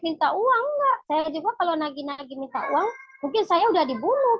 minta uang nggak saya juga kalau nagi nagi minta uang mungkin saya udah dibunuh